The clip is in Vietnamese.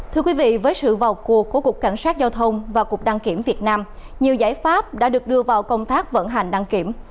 thưa quý vị với sự vào cuộc của cục cảnh sát giao thông và cục đăng kiểm việt nam nhiều giải pháp đã được đưa vào công tác vận hành đăng kiểm